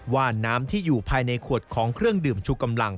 ว่าน้ำที่อยู่ภายในขวดของเครื่องดื่มชูกำลัง